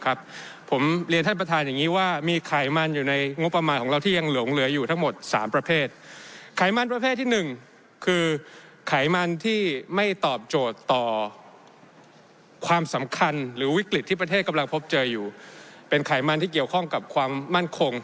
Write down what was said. ความสำคัญหรือวิกฤตที่ประเทศกำลังพบเจออยู่เป็นไขมันที่เกี่ยวข้องกับความมั่นคง